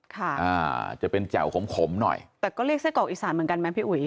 อ่าจะเป็นแจ่วขมขมหน่อยแต่ก็เรียกไส้กรอกอีสานเหมือนกันไหมพี่อุ๋ย